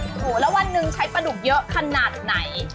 โอ้โหแล้ววันหนึ่งใช้ปลาดุกเยอะขนาดไหน